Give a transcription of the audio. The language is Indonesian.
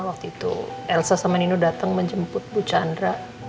waktu itu elsa sama nino datang menjemput bu chandra